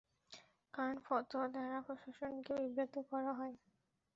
কারণ ফতোয়া দ্বারা প্রশাসনকে বিব্রত করা হয়।